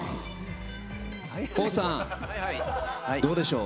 ＫＯＯさんどうでしょう。